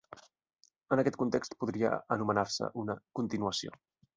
En aquest context podria anomenar-se una "continuació".